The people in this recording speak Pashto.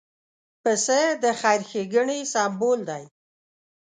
پسه د خیر ښېګڼې سمبول دی.